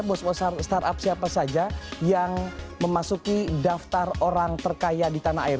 bos bos startup siapa saja yang memasuki daftar orang terkaya di tanah air